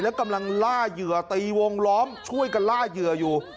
แล้วกำลังล่าเหยื่อตีวงล้อมช่วยกันล่าเหยื่ออยู่